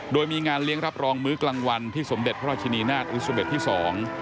โดยมีงานเลี้ยงรับรองมื้อกลางวันที่สมเด็จพระราชินีนาฏอิซาเบ็ดที่สอง